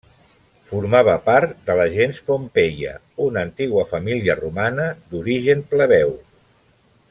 Formava part de la gens Pompeia, una antiga família romana d'origen plebeu.